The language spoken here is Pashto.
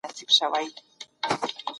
د هېواد تاریخ ته په درنه سترګه وګورئ.